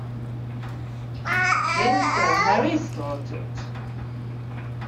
Then Sir Harry started.